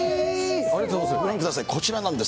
ありがとうございます。